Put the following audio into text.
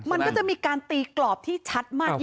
มันก็จะมีการตีกรอบที่ชัดมากขึ้น